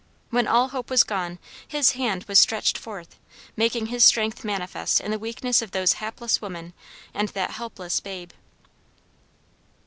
When all hope was gone His hand was stretched forth, making his strength manifest in the weakness of those hapless women and that helpless babe.